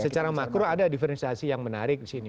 secara makro ada diferensiasi yang menarik di sini